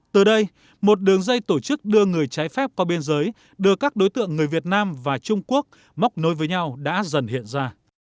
từ đây một đường dây tổ chức đưa người trái phép qua biên giới đưa các đối tượng người việt nam và trung quốc móc nối với nhau đã dần hiện ra